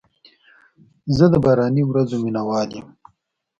زه د باراني ورځو مینه وال یم.